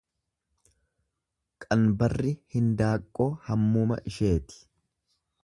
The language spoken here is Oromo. Qanbarri hindaaqqoo hammuma isheeti.